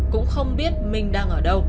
cũng không biết mình đang ở đâu